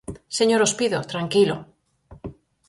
Señor Ospido, tranquilo.